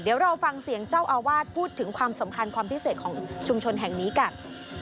เดี๋ยวเราฟังเสียงเจ้าอาวาสพูดถึงความสำคัญความพิเศษของชุมชนแห่งนี้กัน